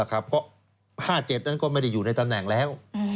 เพราะ๕๗นั้นก็ไม่ได้อยู่ในตำแหน่งแล้ว